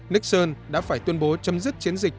nixon đã phải tuân bố chấm dứt chiến dịch